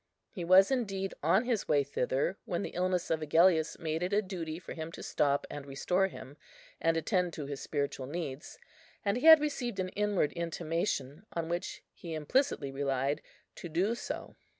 He was indeed on his way thither, when the illness of Agellius made it a duty for him to stop and restore him, and attend to his spiritual needs; and he had received an inward intimation, on which he implicitly relied, to do so.